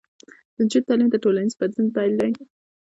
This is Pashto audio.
د نجونو تعلیم د ټولنیز بدلون پیل دی.